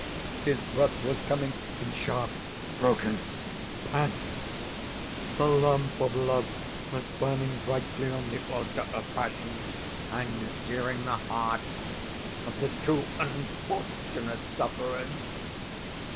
"His breath was coming in sharp, broken pants. The lamp of love was burning brightly on the altar of passion, and searing the hearts of the two unfortunate sufferers.